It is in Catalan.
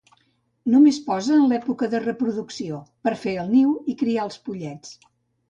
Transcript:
Només posa en l'època de reproducció, per fer el niu i criar els pollets.